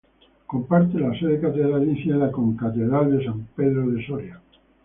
Comparte la sede catedralicia con la Concatedral de San Pedro de Soria.